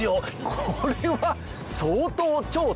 これは相当。